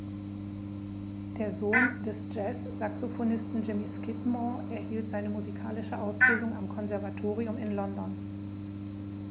Der Sohn des Jazzsaxophonisten Jimmy Skidmore erhielt seine musikalische Ausbildung am Konservatorium in London.